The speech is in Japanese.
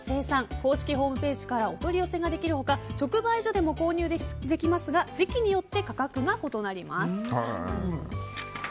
公式ホームページからお取り寄せができる他直売所でも購入できますが時期によって価格が異なります。